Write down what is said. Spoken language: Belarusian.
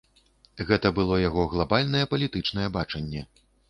Гэта было яго глабальнае палітычнае бачанне.